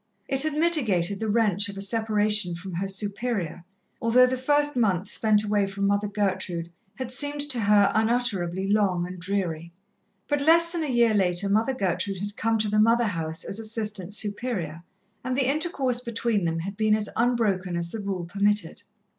It had mitigated the wrench of a separation from her Superior, although the first months spent away from Mother Gertrude had seemed to her unutterably long and dreary. But less than a year later Mother Gertrude had come to the Mother house as Assistant Superior, and the intercourse between them had been as unbroken as the rule permitted.